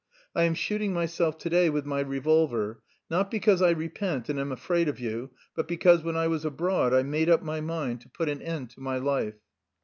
I am shooting myself to day with my revolver, not because I repent and am afraid of you, but because when I was abroad I made up my mind to put an end to my life."